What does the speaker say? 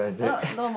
どうも。